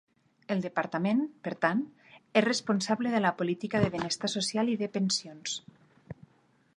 El Departament, per tant, és responsable de la política de benestar social i de pensions.